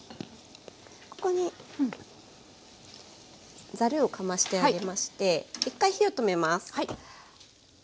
ここにざるをかましてあげまして１回火を止めます。